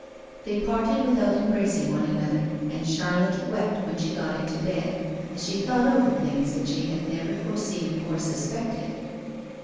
They parted without embracing one another, and Charlotte wept when she got into bed, as she thought over things that she had never foreseen or suspected.